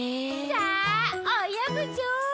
さあおよぐぞ！